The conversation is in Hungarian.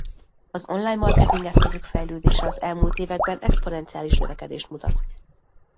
Az online marketing eszközök fejlődése az elmúlt években exponenciális növekedést mutat.